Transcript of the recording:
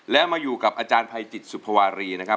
แล้วมาอยู่กับอาจารย์ภัยจิตสุภวารีนะครับ